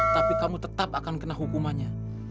tapi kamu tetap akan kena hukumannya